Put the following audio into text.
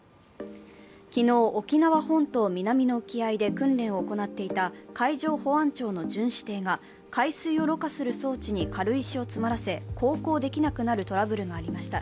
昨日、沖縄本島南の沖合で訓練を行っていた海上保安庁の巡視艇が海水をろ過する装置に軽石を詰まらせ、航行できなくなるトラブルがありました。